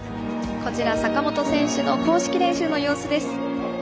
こちら坂本選手の公式練習の様子です。